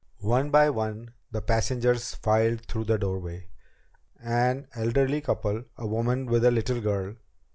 One by one the passengers filed through the doorway. An elderly couple. A woman with a little girl.